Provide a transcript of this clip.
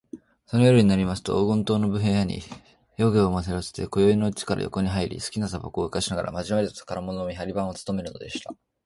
その夜になりますと、黄金塔の部屋に夜具を運ばせて、宵よいのうちから床にはいり、すきなたばこをふかしながら、まじまじと宝物の見はり番をつとめるのでした。